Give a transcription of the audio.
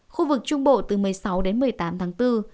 khu vực trung bộ từ một mươi sáu đến một mươi tám tháng bốn